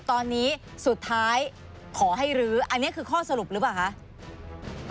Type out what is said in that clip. ตอนนี้สุดท้ายขอให้รื้ออันนี้คือข้อสรุปหรือเปล่าคะ